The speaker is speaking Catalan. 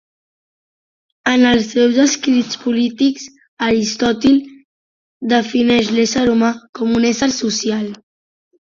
En els seus escrits polítics, Aristòtil defineix l'ésser humà com un ésser social.